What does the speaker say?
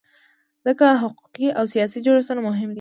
ځکه حقوقي او سیاسي جوړښتونه مهم دي.